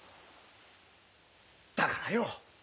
だからよ。